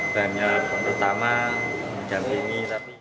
dan yang pertama menjampingi